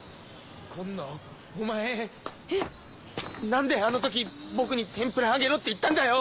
何であの時僕に天ぷら揚げろって言ったんだよ！